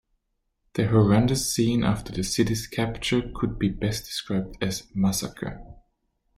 The horrendous scene after the city's capture could be best described as a massacre.